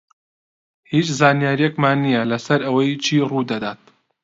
هیچ زانیارییەکمان نییە لەسەر ئەوەی چی ڕوو دەدات.